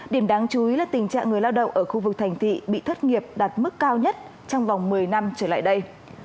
điểm đáng chú ý là tình trạng người lao động ở khu vực thành thị bị thất nghiệp đạt mức cao nhất trong vòng một mươi năm trở lại đây